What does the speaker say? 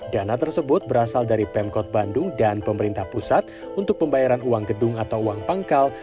dana tersebut berasal dari pemkot bandung dan pemerintah pusat untuk pembayaran uang gedung atau uang pangkal